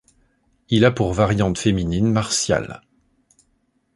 Il a pour variante féminine Martiale.